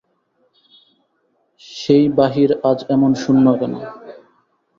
সেই বাহির আজ এমন শূন্য কেন?